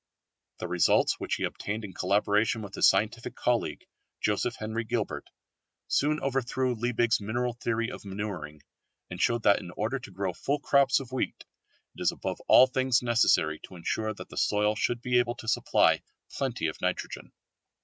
The results which he obtained in collaboration with his scientific colleague, Joseph Henry Gilbert, soon overthrew Liebig's mineral theory of manuring, and showed that in order to grow full crops of wheat it is above all things necessary to ensure that the soil should be able to supply plenty of nitrogen.